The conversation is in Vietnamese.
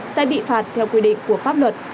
sẽ bị phạt theo quy định của pháp luật